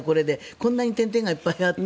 こんなに点々がいっぱいあって。